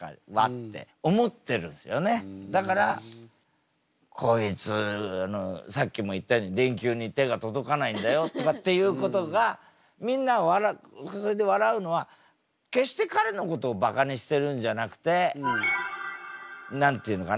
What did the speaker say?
だからこいつのさっきも言ったように電球に手が届かないんだよとかっていうことがみんなはそれで笑うのは決して彼のことをバカにしてるんじゃなくて何て言うのかな。